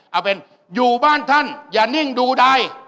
เอาเป็นอยู่บ้านท่านอย่านิ่งดูใด